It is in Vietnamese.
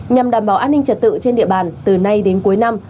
nhằm đảm bảo an ninh trật tự trên địa bàn từ nay đến cuối năm